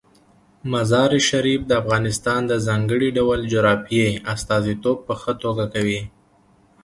مزارشریف د افغانستان د ځانګړي ډول جغرافیې استازیتوب په ښه توګه کوي.